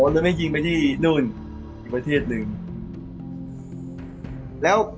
แล้วไม่กิงไปที่นู่นอีกประเทศหนึ่งแล้วคันข้าว